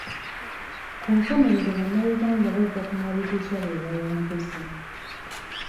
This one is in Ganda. Ku nkomerero bannayuganda bajja kumaliriza be bawanguzi.